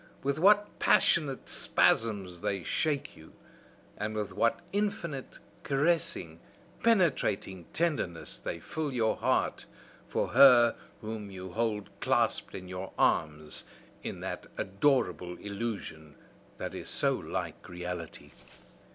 with what passionate spasms they shake you! and with what infinite, caressing, penetrating tenderness they fill your heart for her whom you hold clasped in your arms in that adorable illusion that is so like reality!